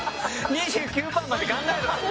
２９パーまで考えろよ。